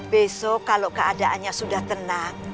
besok kalau keadaannya sudah tenang